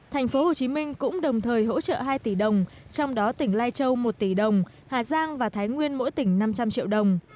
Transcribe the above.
tp hcm cũng đồng thời hỗ trợ hai tỷ đồng trong đó tỉnh lai châu một tỷ đồng hà giang và thái nguyên mỗi tỉnh năm trăm linh triệu đồng